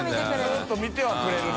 ずっと見てはくれるな。